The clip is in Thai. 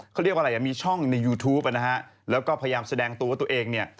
เขาเรียกว่าอะไรอ่ะมีช่องในยูทูปนะฮะแล้วก็พยายามแสดงตัวว่าตัวเองเนี่ย